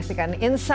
masih ada yang mencoba